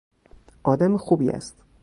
آدم خوبی است.